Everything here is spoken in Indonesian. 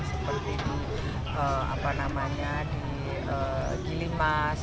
seperti di gilimas